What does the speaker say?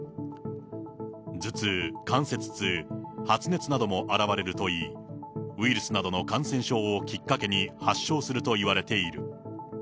頭痛、関節痛、発熱なども現れるといい、ウイルスなどの感染症をきっかけに発症するといわれている。